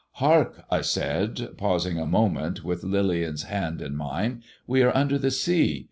" Hark !" I said, pausing a moment with Lillian's hand in mine, "we are under the ocean.